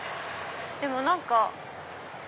でも何か。